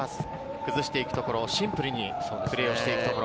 崩して行くところシンプルにプレーをしていくところ。